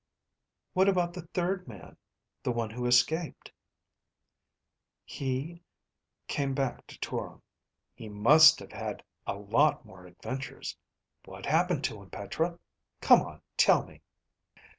"What about the third man, the one who escaped?" "He ... came back to Toron." "He must have had a lot more adventures. What happened to him, Petra? Come on, tell me."